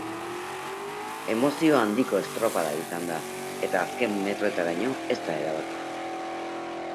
Emozio handiko estropada izan da, eta azken metroetaraino ez da erabaki.